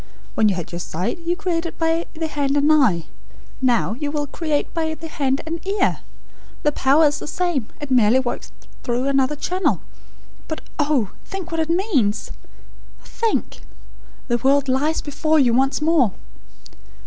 When you had your sight, you created by the hand and EYE. Now, you will create by the hand and EAR. The power is the same. It merely works through another channel. But oh, think what it means! Think! The world lies before you once more!"